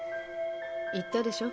言ったでしょ